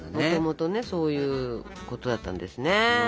もともとねそういうことだったんですね。